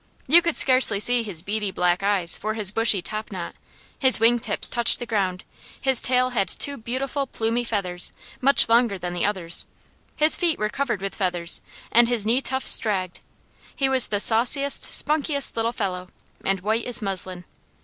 You scarcely could see his beady black eyes for his bushy topknot, his wing tips touched the ground, his tail had two beautiful plumy feathers much longer than the others, his feet were covered with feathers, and his knee tufts dragged. He was the sauciest, spunkiest little fellow, and white as muslin.